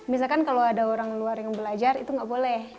misalkan kalau ada orang luar yang belajar itu nggak boleh